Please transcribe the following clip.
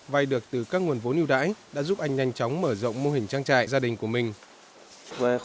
vay được từ các nguồn vốn ưu đãi đã giúp anh nhanh chóng mở rộng mô hình trang trại gia đình của mình